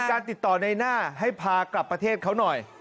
การติดต่อในหน้าให้พากลับประเทศเขาหน่อย